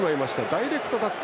ダイレクトタッチ。